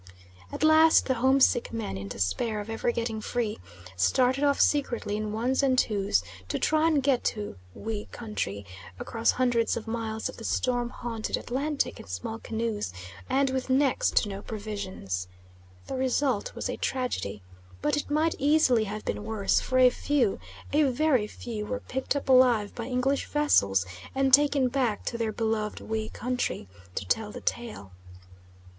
At last the home sick men, in despair of ever getting free, started off secretly in ones and twos to try and get to "We country" across hundreds of miles of the storm haunted Atlantic in small canoes, and with next to no provisions. The result was a tragedy, but it might easily have been worse; for a few, a very few, were picked up alive by English vessels and taken back to their beloved "We country" to tell the tale.